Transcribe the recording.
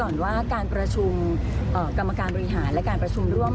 และการประชุมร่วมสมชุมรับการประชุมลับ